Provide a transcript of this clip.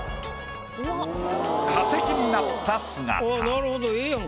化石になった姿。